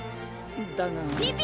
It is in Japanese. だが。